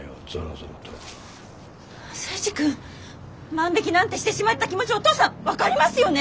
征二君万引きなんてしてしまった気持ちお父さん分かりますよね。